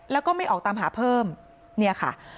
แล้วก็ไม่ออกตามหาเพิ่มเนี่ยค่ะ